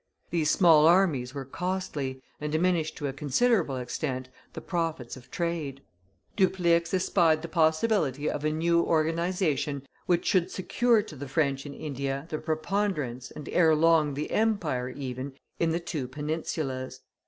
These small armies were costly, and diminished to a considerable extent the profits of trade. Dupleix espied the possibility of a new organization which should secure to the French in India the preponderance, and ere long the empire even, in the two peninsulas.